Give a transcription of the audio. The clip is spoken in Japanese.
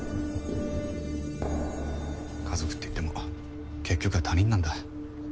家族っていっても結局は他人なんだ。